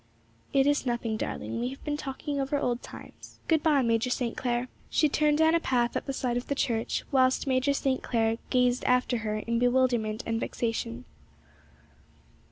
'It is nothing, darling; we have been talking over old times. Good bye, Major St. Clair.' She turned down a path at the side of the church, whilst Major St. Clair gazed after her in bewilderment and vexation.